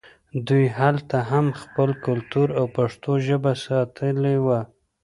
دوی هلته هم خپل کلتور او پښتو ژبه ساتلې وه